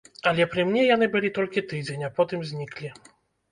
Але пры мне яны былі толькі тыдзень, а потым зніклі.